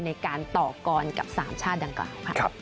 ในการต่อกรกับ๓ชาติดังกล่าวค่ะ